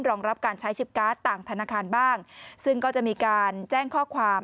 รองรับการใช้ชิปการ์ดต่างธนาคารบ้างซึ่งก็จะมีการแจ้งข้อความ